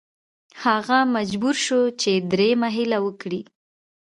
هغه مجبور شو چې دریمه هیله وکړي.